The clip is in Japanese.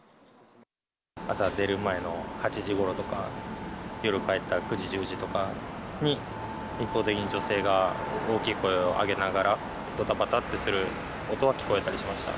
朝出る前の８時ごろとか、夜帰った９時、１０時とかに一方的に女性が大きい声を上げながら、どたばたってする音は聞こえたりしました。